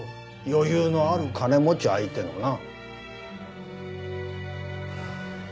余裕のある金持ち相手のな。